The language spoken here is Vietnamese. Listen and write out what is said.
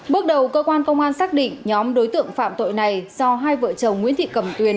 bước đầu cơ quan công an xác định nhóm đối tượng phạm tội này do hai vợ chồng nguyễn thị cầm tuyền